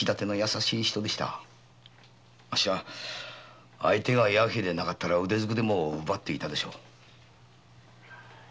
あっしは相手が弥平でなかったら腕ずくでも奪っていたでしょう。